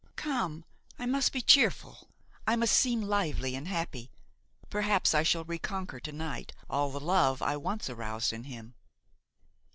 Come, I must be cheerful, I must seem lively and happy; perhaps I shall reconquer to night all the love I once aroused in him."